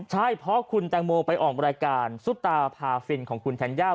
ใช่เพราะคุณแตงโมไปออกรายการซุปตาพาฟินของคุณธัญญา